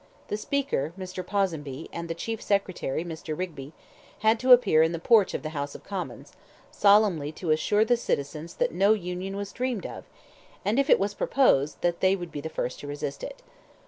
The Speaker, Mr. Ponsonby, and the Chief Secretary, Mr. Rigby, had to appear in the porch of the House of Commons, solemnly to assure the citizens that no union was dreamed of, and if it was proposed, that they would be the first to resist it.